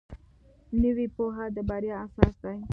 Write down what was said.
نوې پوهه د بریا اساس دی